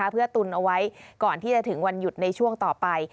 เพื่อตุนเอาไว้ก่อนที่จะถึงวันหยุดในช่วงต่อไป